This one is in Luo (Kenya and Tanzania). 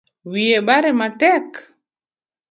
Wiye bare matek